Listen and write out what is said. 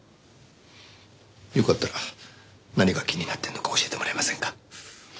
よかったら何が気になってるのか教えてもらえませんか？